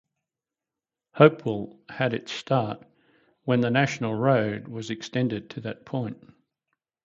Hopewell had its start when the National Road was extended to that point.